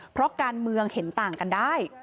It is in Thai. เพราะการเมืองเห็นต่างกันได้